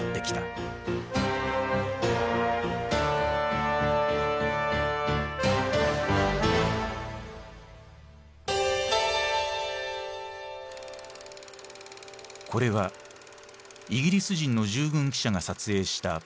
これはイギリス人の従軍記者が撮影したプライベートフィルム。